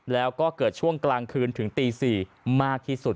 แล้วก็เกิดช่วงกลางคืนถึงตี๔มากที่สุด